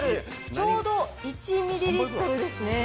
ちょうど１ミリリットルですね。